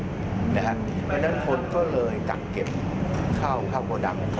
เพราะฉะนั้นคนก็เลยกลับเก็บข้าวโปรดักต์